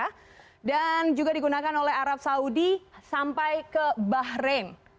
vaksin ini digunakan oleh arab saudi sampai ke bahrain